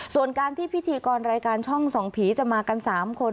ส่วนการที่พิธีกรรายการช่องส่องผีจะมากัน๓คน